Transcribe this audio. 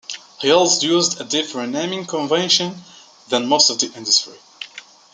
He also used a different naming convention than most of the industry.